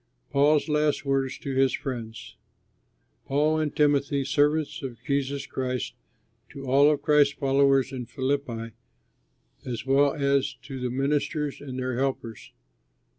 PAUL'S LAST WORDS TO HIS FRIENDS Paul and Timothy, servants of Jesus Christ, to all of Christ's followers in Philippi, as well as to the ministers and their helpers.